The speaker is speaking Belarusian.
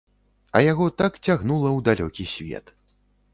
А яго так цягнула ў далёкі свет.